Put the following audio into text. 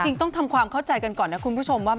ต้องทำความเข้าใจกันก่อนนะคุณผู้ชมว่า